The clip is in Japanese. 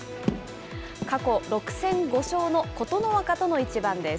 過去６戦５勝の琴ノ若との一番です。